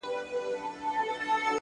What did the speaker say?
له شپږو مياشتو څه درد !!درد يمه زه!!